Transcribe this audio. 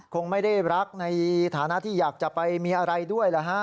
คงไม่ได้รักในฐานะที่อยากจะไปมีอะไรด้วยนะฮะ